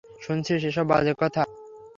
শুনছিস এসব বাজে কথা?